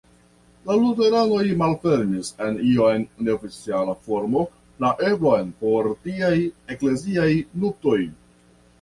La luteranoj malfermis en iom neoficiala formo la eblon por tiaj ekleziaj nuptoj.